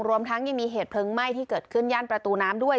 รวมทั้งยังมีเหตุเพลิงไหม้ที่เกิดขึ้นย่านประตูน้ำด้วย